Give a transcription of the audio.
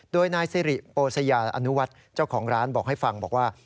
โดยนายสิริโปสยาอนุวัฒน์เจ้าของร้านบอกให้ฟังบอกว่า